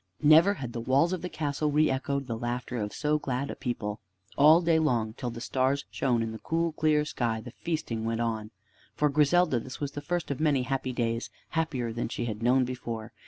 Never had the walls of the castle reechoed the laughter of so glad a people. All day long till the stars shone in the cool clear sky the feasting went on. For Griselda this was the first of many happy days, happier than she had known before.